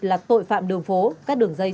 là tội phạm đường phố các đường dây